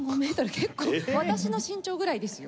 結構私の身長ぐらいですよ？